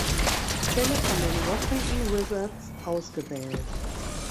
Stelle von den Washington Wizards ausgewählt.